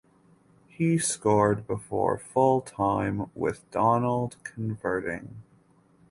He scored before fulltime with Donald converting.